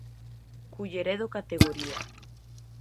Culleredo categoría.